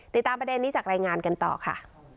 ติดตามประเด็นนี้จากรายงานกันต่อค่ะ